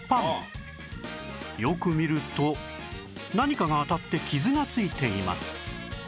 よく見ると何かが当たって傷がついています